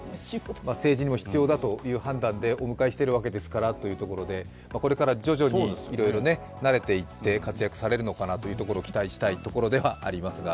政治にも必要だということでお迎えしているわけですからこれから徐々にいろいろ慣れていって活躍されるのかなというところを期待したいところではありますが。